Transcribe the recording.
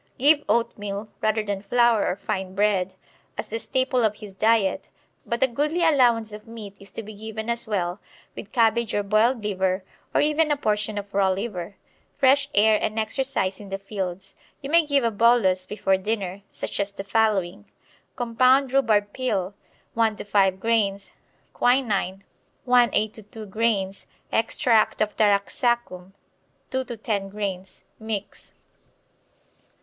Give oatmeal, rather than flour or fine bread, as the staple of his diet, but a goodly allowance of meat is to be given as well, with cabbage or boiled liver, or even a portion of raw liver. Fresh air and exercise in the fields. You may give a bolus before dinner, such as the following: Compound rhubarb pill, 1 to 5 grains; quinine, 1/8 to 2 grains; extract of taraxacum, 2 to 10 grains. Mix.